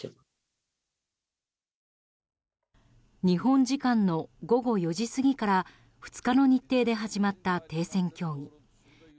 日本時間の午後４時過ぎから２日の日程で始まった停戦協議。